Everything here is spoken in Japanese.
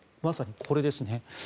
まさにこれですね。